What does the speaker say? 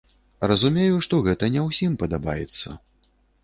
Разумею, што гэта не ўсім падабаецца.